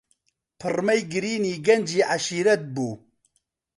پڕمەی گرینی گەنجی عەشیرەت بوو.